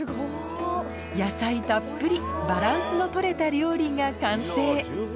野菜たっぷりバランスの取れた料理が完成